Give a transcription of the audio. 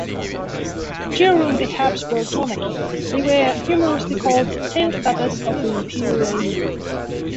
During the Habsburg Monarchy they were humorously called "tail feathers of the Imperial Eagle".